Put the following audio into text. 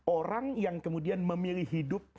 orang yang kemudian memilih hidup